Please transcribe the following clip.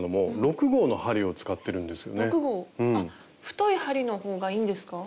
太い針のほうがいいんですか？